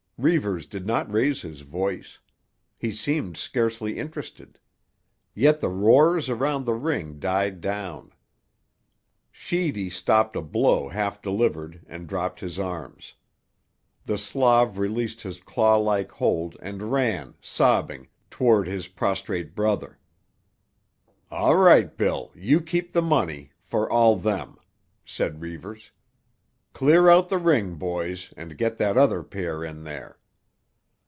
Reivers did not raise his voice. He seemed scarcely interested. Yet the roars around the ring died down. Sheedy stopped a blow half delivered and dropped his arms. The Slav released his clawlike hold and ran, sobbing, toward his prostrate brother. "All right, Bill; you keep the money—for all them," said Reivers. "Clear out the ring, boys, and get that other pair in there."